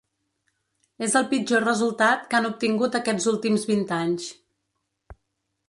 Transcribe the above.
És el pitjor resultat que han obtingut aquests últims vint anys.